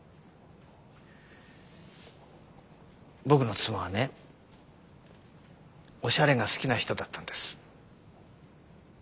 僕の妻はねおしゃれが好きな人だったんです。